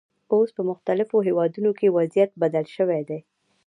اوس په پرمختللو هېوادونو کې وضعیت بدل شوی دی.